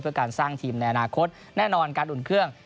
เพื่อการสร้างทีมในอนาคตแน่นอนการอุ่นเครื่อง